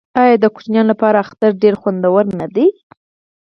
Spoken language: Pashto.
آیا د کوچنیانو لپاره اختر ډیر خوندور نه وي؟